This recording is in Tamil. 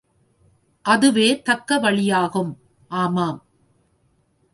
அதுவே தக்க வழியாகும். ஆமாம்!